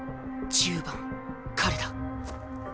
１０番彼だ。